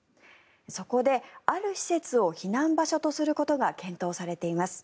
そこで、ある施設を避難場所とすることが検討されています。